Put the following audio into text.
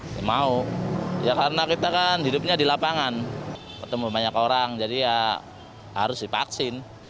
ya mau ya karena kita kan hidupnya di lapangan ketemu banyak orang jadi ya harus divaksin